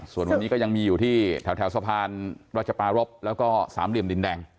ส่วนวันนี้ก็ยังมีอยู่ที่แถวสะพานราชปารพแล้วก็สามเหลี่ยมดินแดง